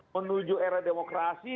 menuju era demokrasi